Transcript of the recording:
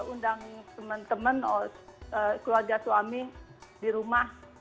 undang teman teman keluarga suami di rumah